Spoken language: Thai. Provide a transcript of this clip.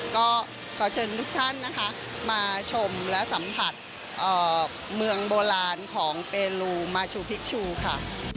ก็ขอเชิญทุกท่านนะคะมาชมและสัมผัสเมืองโบราณของเปลูมาชูพิชชูค่ะ